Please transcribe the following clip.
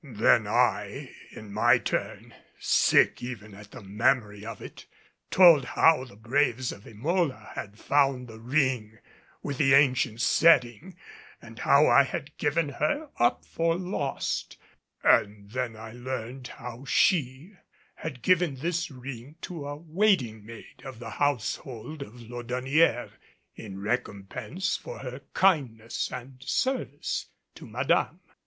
Then I in my turn, sick even at the memory of it, told how the braves of Emola had found the ring with the ancient setting and how I had given her up for lost, and then I learned how she had given this ring to a waiting maid of the household of Laudonnière in recompense for her kindness and service to Madame.